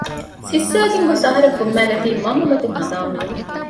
ސިއްސައިގެން ގޮސް އަހަރެން ފުއްމައިގަތީ މަންމަ މަތިން ހަނދާން ވީމަ